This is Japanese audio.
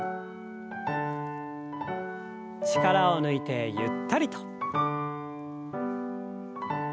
力を抜いてゆったりと。